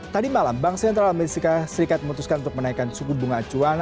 tadi malam bank sentral amerika serikat memutuskan untuk menaikkan suku bunga acuan